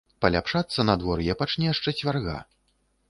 Паляпшацца надвор'е пачне з чацвярга.